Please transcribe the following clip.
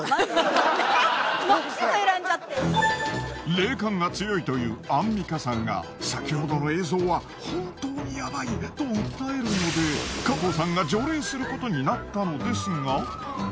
霊感が強いというアンミカさんが先ほどの映像は本当にヤバいと訴えるので加藤さんが除霊することになったのですが。